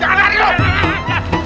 jangan lari loh